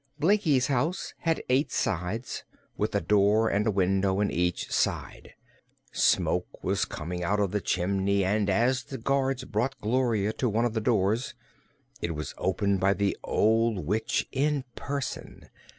Blinkie's house had eight sides, with a door and a window in each side. Smoke was coming out of the chimney and as the guards brought Gloria to one of the doors it was opened by the old witch in person.